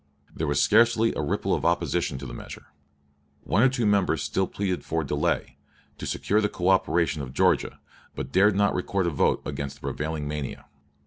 There was scarcely a ripple of opposition to this measure. One or two members still pleaded for delay, to secure the coöperation of Georgia, but dared not record a vote against the prevailing mania.